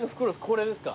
これですか？